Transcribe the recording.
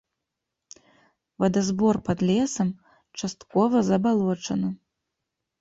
Вадазбор пад лесам, часткова забалочаны.